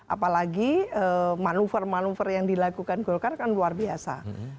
apalagi manuver manuver yang dilakukan golkar kan luar biasa